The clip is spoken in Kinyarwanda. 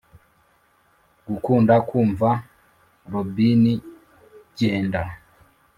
gukunda kumva robin genda